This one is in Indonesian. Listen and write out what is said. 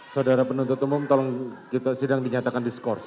saudara penuntut umum tolong kita sedang dinyatakan diskors